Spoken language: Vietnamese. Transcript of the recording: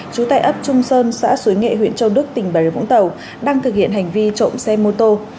trú tại ấp trung sơn xã suối nghệ huyện châu đức tỉnh bảy vũng tàu đang thực hiện hành vi trộm xe mô tô